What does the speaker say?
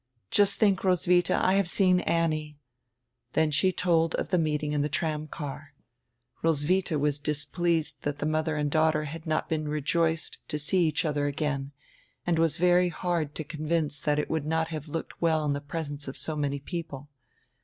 "Just think, Roswitha, I have seen Annie." Then she told of die meeting in the tram car. Roswitha was dis pleased that die mother and daughter had not been rejoiced to see each other again, and was very hard to convince that it would not have looked well in the presence of so many people.